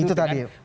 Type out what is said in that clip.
itu tadi ya